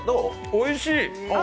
おいしい！